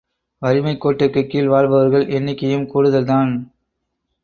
வறுமைக்கோட்டிற்குக் கீழ் வாழ்பவர்கள் எண்ணிக்கையும் கூடுதல்தான்.